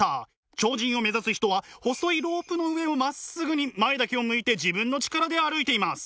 超人を目指す人は細いロープの上をまっすぐに前だけを向いて自分の力で歩いています。